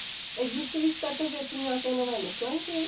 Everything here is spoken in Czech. Existují v této věci nějaké nové myšlenky?